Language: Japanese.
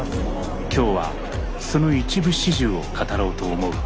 今日はその一部始終を語ろうと思う。